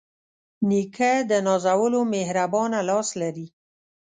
نیکه د نازولو مهربانه لاس لري.